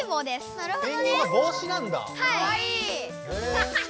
なるほど。